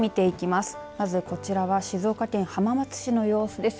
まず、こちらは静岡県浜松市の様子です。